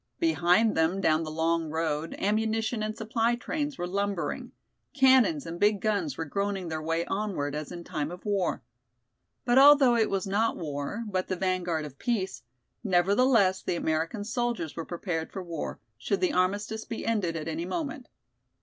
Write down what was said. Behind them down the long road ammunition and supply trains were lumbering; cannons and big guns were groaning their way onward as in time of war. But although it was not war, but the vanguard of peace, nevertheless the American soldiers were prepared for war, should the armistice be ended at any moment.